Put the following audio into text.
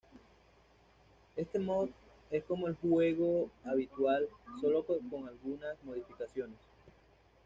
Este mod es como el juego habitual, solo que con algunas modificaciones.